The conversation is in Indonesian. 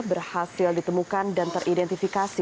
berhasil ditemukan dan teridentifikasi